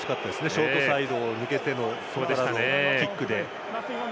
ショートサイドを抜けてからのキックで。